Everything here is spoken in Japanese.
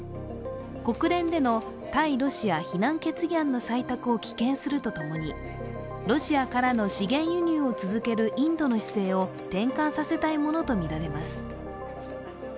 国連での対ロシア非難決議案の採択を棄権すると共にロシアからの資源輸入を続けるインドの姿勢を転換させたいものとみられます。